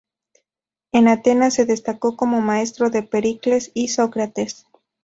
En Atenas se destacó como maestro de Pericles y Sócrates.